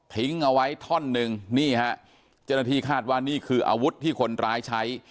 เอาไว้ท่อนหนึ่งนี่ฮะเจ้าหน้าที่คาดว่านี่คืออาวุธที่คนร้ายใช้